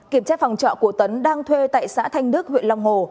kiểm tra phòng trọ của tấn đang thuê tại xã thanh đức huyện long hồ